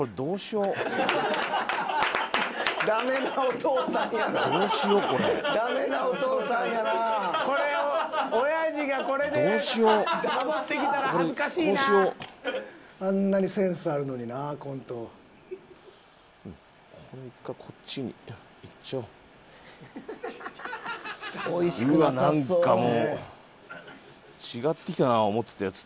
うわっなんかもう違ってきたな思ってたやつと。